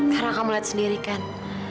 karena kamu lihat sendiri kan